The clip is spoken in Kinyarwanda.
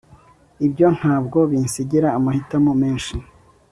Ibyo ntabwo binsigira amahitamo menshi